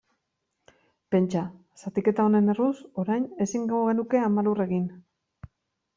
Pentsa, zatiketa honen erruz, orain ezingo genuke Ama Lur egin.